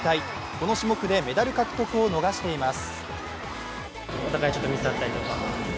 この種目でメダル獲得を逃しています。